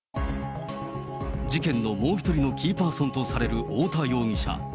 事件のもう一人のキーパーソンとされる太田容疑者。